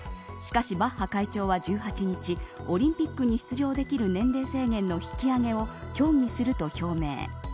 しかし、バッハ会長は１８日オリンピックに出場できる年齢制限の引き上げを協議すると表明。